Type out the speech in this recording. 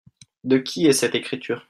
De qui est cette écriture ?